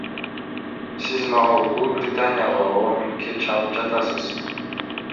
Сиз мага Улуу Британияга роумингге чалып жатасыз.